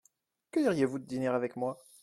Que diriez-vous de dîner avec moi ?